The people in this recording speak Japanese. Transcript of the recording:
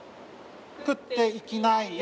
「食って行きないよ！」